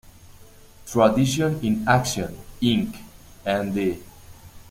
Tradition in Action, Inc., n.d.